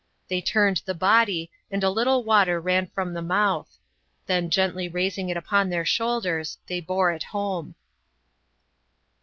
They turned the body, and a little water ran from the mouth. Then, gently raising it upon their shoulders, they bore it home.